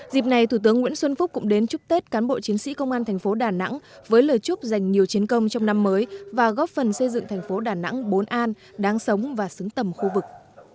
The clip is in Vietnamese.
dịp này thủ tướng nguyễn xuân phúc cũng đến chúc tết cán bộ chiến sĩ công an thành phố đà nẵng với lời chúc dành nhiều chiến công trong năm mới và góp phần xây dựng thành phố đà nẵng bốn an đáng sống và xứng tầm khu vực